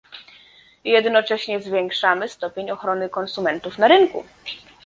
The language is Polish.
Jednocześnie zwiększamy stopień ochrony konsumentów na rynku